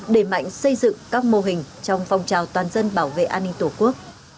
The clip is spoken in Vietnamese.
để mạnh xây dựng các mô hình trong phong trào toàn dân bảo vệ an ninh tổ quốc